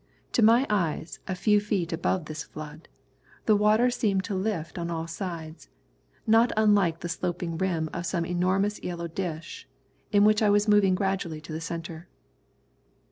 To my eyes, a few feet above this flood, the water seemed to lift on all sides, not unlike the sloping rim of some enormous yellow dish, in which I was moving gradually to the centre.